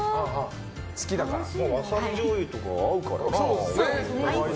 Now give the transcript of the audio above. ワサビじょうゆとか合うからな。